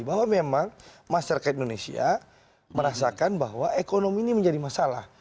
bahwa memang masyarakat indonesia merasakan bahwa ekonomi ini menjadi masalah